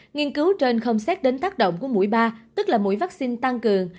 nghiên cứu trên không xét đến tác động của mũi ba tức là mũi vaccine tăng cường